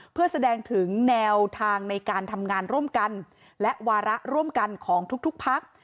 เพื่อแสดงถึงแนวทางในการทำงานร่วมกันและวาระร่วมกันของทุกพัก